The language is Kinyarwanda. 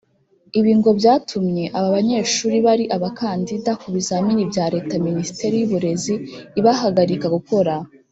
Ibi ngo byatumye aba banyeshuri bari abakandida ku bizamini bya Leta Minisiteri y’uburezi ibahagarika gukora